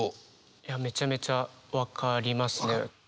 いやめちゃめちゃ分かりますね。